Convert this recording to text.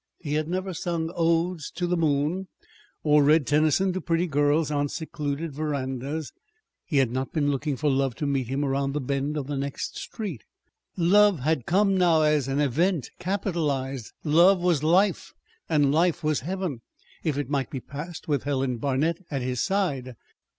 He had never sung odes to the moon, or read Tennyson to pretty girls on secluded verandas. He had not been looking for love to meet him around the bend of the next street. Love had come now as an Event, capitalized. Love was Life, and Life was Heaven if it might be passed with Helen Barnet at his side.